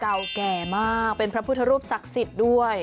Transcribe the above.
เก่าแก่มากเป็นพระพุทธรูปศักดิ์สิทธิ์ด้วย